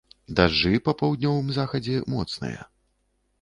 Дажджы, па паўднёвым захадзе моцныя.